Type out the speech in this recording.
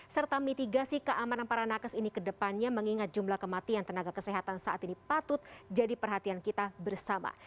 serta mitigasi keamanan para nakes ini kedepannya mengingat jumlah kematian tenaga kesehatan saat ini patut jadi perhatian kita bersama